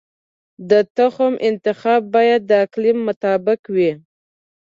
د تخم انتخاب باید د اقلیم مطابق وي.